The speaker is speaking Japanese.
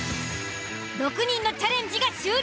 ６人のチャレンジが終了。